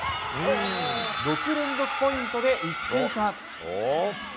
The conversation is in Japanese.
６連続ポイントで１点差。